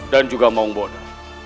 dan juga maung bodo